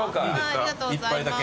ありがとうございます。